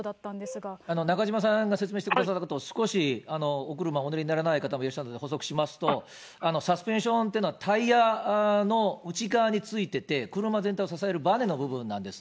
中島さんが説明してくださったことを、少しお車、お乗りにならない方もいらっしゃるので、補足しますと、サスペンションというのは、タイヤの内側についてて、車全体を支えるばねの部分なんです。